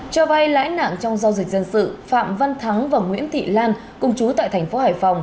cho bay lãi nạn trong giao dịch dân sự phạm văn thắng và nguyễn thị lan công chú tại thành phố hải phòng